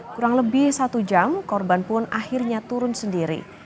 kurang lebih satu jam korban pun akhirnya turun sendiri